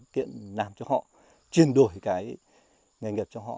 kiện làm cho họ chuyên đổi cái nghề nghiệp cho họ